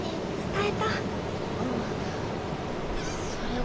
あそれが。